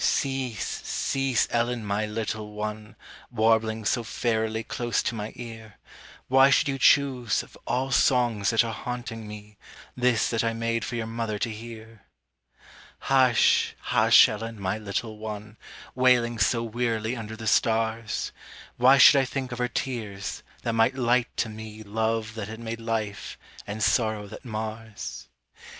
Cease, cease, Ellen, my little one, Warbling so fairily close to my ear; Why should you choose, of all songs that are haunting me, This that I made for your mother to hear? Hush, hush, Ellen, my little one, Wailing so wearily under the stars; Why should I think of her tears, that might light to me Love that had made life, and sorrow that mars?